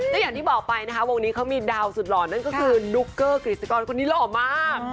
และอย่างที่บอกไปนะคะวงนี้เขามีดาวสุดหล่อนั่นก็คือนุ๊กเกอร์กฤษกรคนนี้หล่อมาก